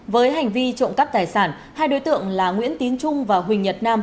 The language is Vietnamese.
với hành vi trộm cắp tài sản hai đối tượng là nguyễn tín trung và huỳnh nhật nam